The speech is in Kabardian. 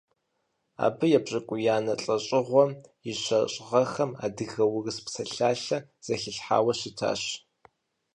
Абы епщыкӀуиянэ лӀэщӀыгъуэм и щэщӀ гъэхэм «Адыгэ-урыс псалъалъэ» зэхилъхьауэ щытащ.